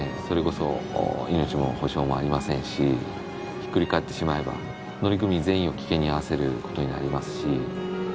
それこそ命の保証もありませんしひっくり返ってしまえば乗組員全員を危険に遭わせる事になりますし。